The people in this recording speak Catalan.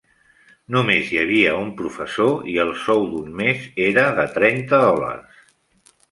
Només hi havia un professor i el sou d'un mes era de trenta dòlars.